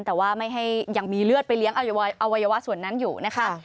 แต่ว่าไม่ให้ยังมีเลือดไปเลี้ยงอวัยวะส่วนนั้นอยู่นะคะ